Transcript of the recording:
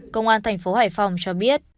công an tp hải phòng cho biết